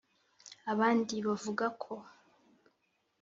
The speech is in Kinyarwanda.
Abandi bavuga ko